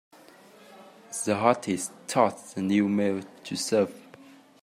The hostess taught the new maid to serve.